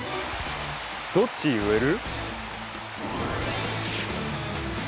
どっち植える？